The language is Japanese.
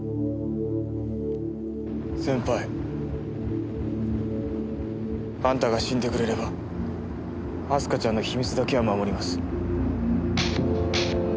先輩あんたが死んでくれれば明日香ちゃんの秘密だけは守ります。